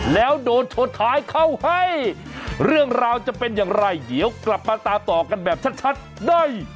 แล้วโดนชนท้ายเข้าให้เรื่องราวจะเป็นอย่างไรเดี๋ยวกลับมาตามต่อกันแบบชัดได้